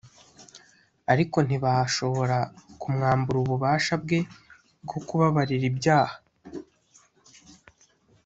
ariko ntibashobora kumwambura ububasha bwe bwo kubabarira ibyaha